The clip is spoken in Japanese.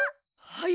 はい。